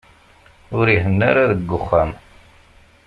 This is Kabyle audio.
Ur ihenna ara deg uxxam.